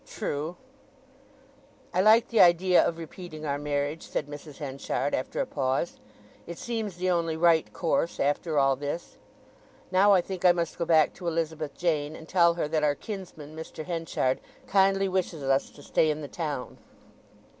"True!" "I like the idea of repeating our marriage," said Mrs. Henchard, after a pause. "It seems the only right course, after all this. Now I think I must go back to Elizabeth Jane, and tell her that our kinsman, Mr. Henchard, kindly wishes us to stay in the town."